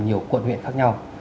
nhiều quận huyện khác nhau